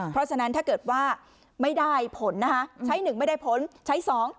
เพราะฉะนั้นถ้าเกิดว่าไม่ได้ผลนะคะใช้หนึ่งไม่ได้ผลใช้สอง